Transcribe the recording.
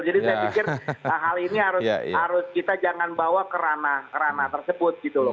jadi saya pikir hal ini harus kita jangan bawa kerana kerana tersebut gitu loh